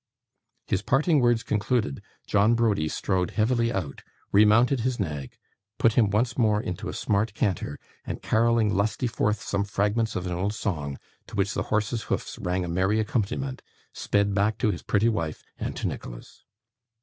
His parting words concluded, John Browdie strode heavily out, remounted his nag, put him once more into a smart canter, and, carolling lustily forth some fragments of an old song, to which the horse's hoofs rang a merry accompaniment, sped back to his pretty wife and to Nicholas.